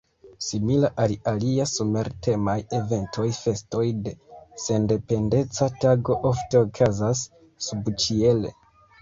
Simila al alia somer-temaj eventoj, festoj de Sendependeca Tago ofte okazas subĉiele.